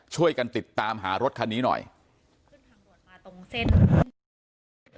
ช่วยกันติดตามหารถคันนี้หน่อยขึ้นทางด่วนมาตรงเส้น